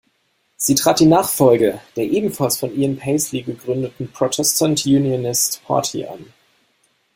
Sie trat die Nachfolge der ebenfalls von Ian Paisley gegründeten "Protestant Unionist Party" an.